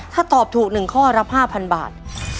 ถ้าตอบถูก๑ข้อรับ๕๐๐บาท